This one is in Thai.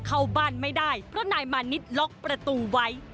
เข้าบ้านไม่ได้เพราะนายมานิดล็อกประตูไว้